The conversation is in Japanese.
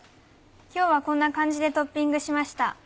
今日はこんな感じでトッピングしました。